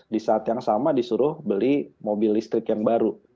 di saat yang sama disuruh beli mobil listrik yang baru